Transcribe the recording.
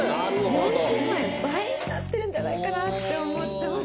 ４０万円倍になってるんじゃないかなって思ってます